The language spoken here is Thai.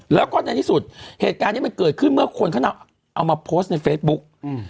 แล้วก็ในที่สุดเหตุการณ์นี้มันเกิดขึ้นเมื่อคนเขานำเอามาโพสต์ในเฟซบุ๊ก